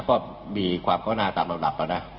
ก็มีความเข้าหน้าตามลำดับแล้วนะ